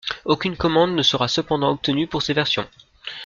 Aucune commande ne sera cependant obtenue pour ces versions.